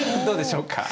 どうでしょうか？